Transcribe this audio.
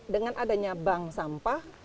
dengan adanya bank sampah